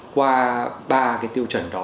qua ba cái tiêu chuẩn đó